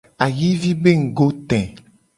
Ayivi be ngugo te.